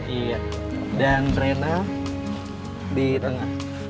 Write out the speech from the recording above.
iya dan braina di tengah